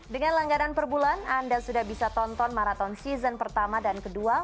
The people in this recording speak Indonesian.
dengan langganan per bulan anda sudah bisa tonton maraton season pertama dan kedua